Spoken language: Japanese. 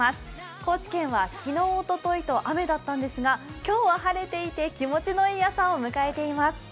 高知県は昨日、おとといと雨だったんですが今日は晴れて気持ちのいい朝を迎えています。